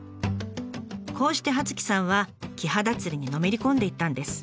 こうして葉月さんはキハダ釣りにのめり込んでいったんです。